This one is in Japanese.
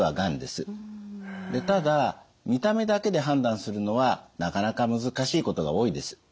ただ見た目だけで判断するのはなかなか難しいことが多いです。